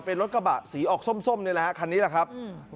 เป็นรถกระบะสีออกส้มนี่แหละฮะคันนี้แหละครับ